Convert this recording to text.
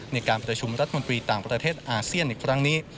ในการประชุมรัฐมนตรีต่างประเทศอาเซียนในครั้งนี้